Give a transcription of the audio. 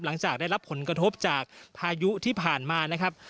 หลังจากได้รับผลกระทบจากพายุที่ผ่านมานะครับ